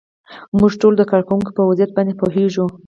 موږ ټول د کارکوونکو په وضعیت باندې پوهیږو.